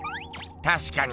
たしかに。